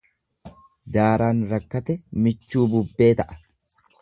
Daaraan rakkate michuu bubbee ta'a.